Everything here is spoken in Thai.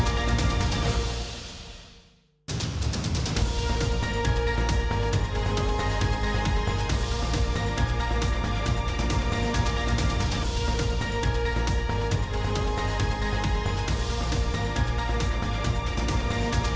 สวัสดีครับสวัสดีครับสวัสดีครับ